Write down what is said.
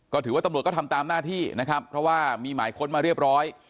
ก็ถือว่าตำรวจก็ทำตามหน้าที่นะครับเพราะว่ามีหมายค้นมาเรียบร้อย